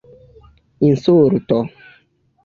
insulto